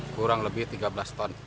kurang lebih tiga belas ton